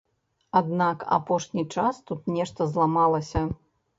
Аднак апошні час тут нешта зламалася.